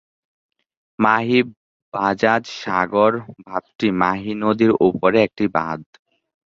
মাহি বাজাজ সাগর বাঁধটি মাহি নদীর ওপরে একটি বাঁধ।